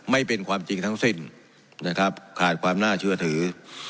ไม่เป็นความจริงทั้งสิ้นนะครับขาดความน่าเชื่อถือ